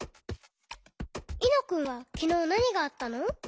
いのくんはきのうなにがあったの？